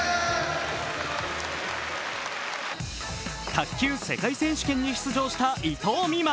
卓球世界選手権に出場した伊藤美誠。